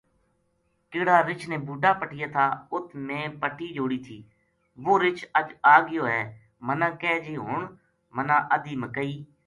کہڑا رچھ نے بوٹا پٹیا تھا اُت میں پٹی جوڑی تھی وہ رچھ اج آ گیو ہے منا کہے جی ہن منا ادھی مکئی